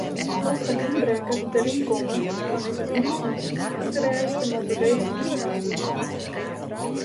Mocht in ynbrekker deryn komme dan is it hûs noch útrêste mei bewegingsmelders.